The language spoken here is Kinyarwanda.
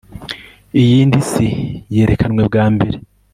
Iyindi Isi yerekanwe bwa mbere